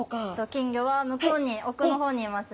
金魚は向こうに奥の方にいますね。